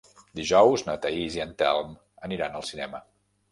Dijous na Thaís i en Telm aniran al cinema.